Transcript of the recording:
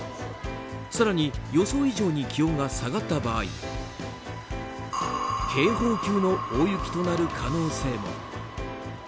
更に、予想以上に気温が下がった場合警報級の大雪となる可能性も。